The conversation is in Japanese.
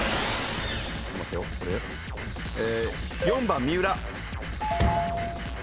４番三浦。